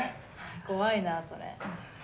・怖いなそれ。